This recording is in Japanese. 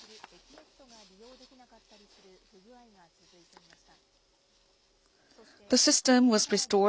ねっとが利用できなかったりする不具合が続いていました。